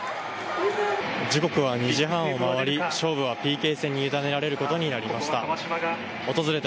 時刻は２時半を回り勝負はＰＫ戦にゆだねられることになりました。